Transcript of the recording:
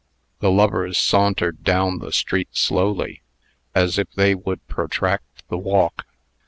The lovers sauntered down the street slowly, as if they would protract the walk.